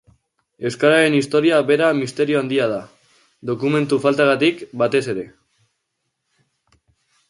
Euskararen historia bera misterio handia da, dokumentu faltagatik, batez ere.